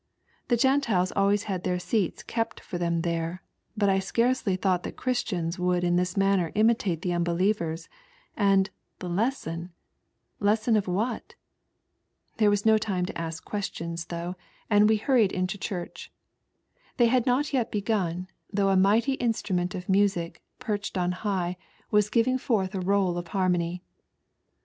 The Gentiles always had their seats kept for them there, but I scarcely thought Christians ' r matter imitate the mihelievers :[ lesson of what ? There was no 16 ONLY A GHoar. though, and we hurried into church. They had not yet begun, though a mighty instrument of muaic, perched on high, was giving forth a roll of harmony.